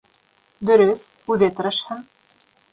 — Дөрөҫ, үҙе тырышһын.